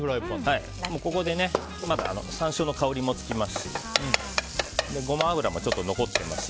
ここで山椒の香りもつきますしゴマ油もちょっと残っていますし。